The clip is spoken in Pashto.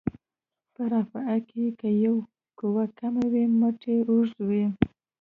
په رافعه کې که یوه قوه کمه وي مټ یې اوږد وي.